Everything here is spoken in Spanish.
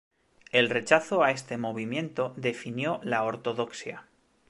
El rechazo a este movimiento definió la ortodoxia.